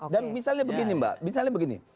dan misalnya begini mbak misalnya begini